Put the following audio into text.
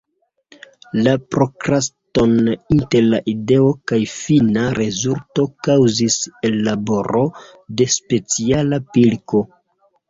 La prokraston inter la ideo kaj fina rezulto kaŭzis ellaboro de speciala pilko.